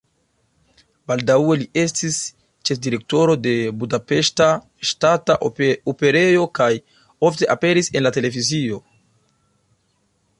Baldaŭe li estis ĉefdirektoro de Budapeŝta Ŝtata Operejo kaj ofte aperis en la televizio.